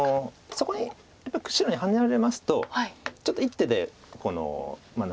そこにやっぱり白にハネられますとちょっと１手で何ていうか。